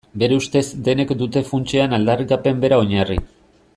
Bere ustez denek dute funtsean aldarrikapen bera oinarri.